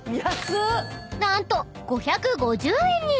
［何と５５０円に］